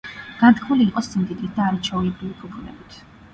განთქმული იყო სიმდიდრით და არაჩვეულებრივი ფუფუნებით.